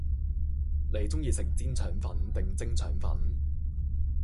你鐘意食煎腸粉定蒸腸粉